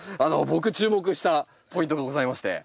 僕注目したポイントがございまして。